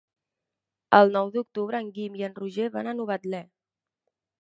El nou d'octubre en Guim i en Roger van a Novetlè.